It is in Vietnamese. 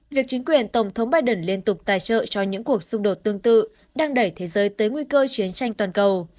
việc chính quyền tổng thống biden liên tục tài trợ cho những cuộc xung đột tương tự đang đẩy thế giới tới nguy cơ chiến tranh toàn cầu